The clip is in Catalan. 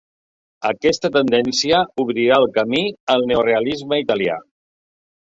Aquesta tendència obrirà el camí al neorealisme italià.